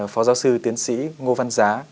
phó giáo sư tiến sĩ ngô văn giá